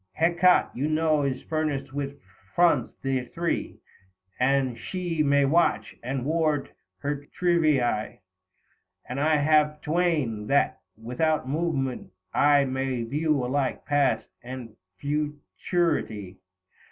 Hecat' you know is furnished with fronts three That she may watch and ward her Trivise, 150 And I have twain, that, without movement, I May view alike past and futurity."